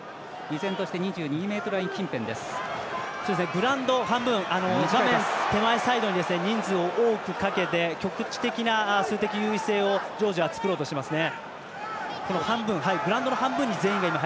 グラウンド半分画面の手前サイドに人数を多くかけて局地的な数的有利性をジョージア、作ろうとしてますね。